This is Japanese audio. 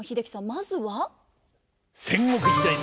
まずは。